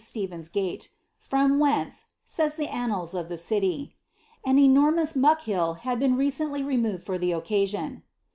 Stephen's gales, '• from whence," aaj s Ihe annals of the city, "an enormous muck hill hat! been recentiy tenioveil for the occasion."